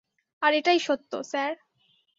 আর এটাই সত্য, স্যার।